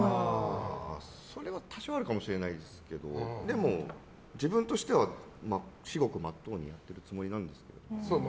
それは多少あるかもしれないですけど自分としては至極、真っ当にやってるつもりなんですけど。